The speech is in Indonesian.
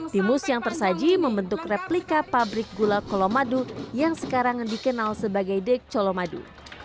timus yang tersaji membentuk replika pabrik gula colomadu yang sekarang dikenal sebagai dek colomadu